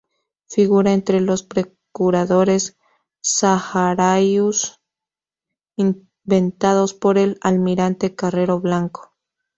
Figura entre los procuradores saharauis inventados por el almirante Carrero Blanco.